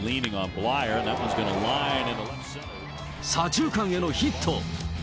左中間へのヒット。